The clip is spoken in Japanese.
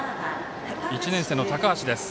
１年生の高橋です。